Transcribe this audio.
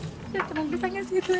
saya terang terang saya hanya sedih saja